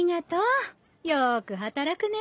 よく働くねぇ。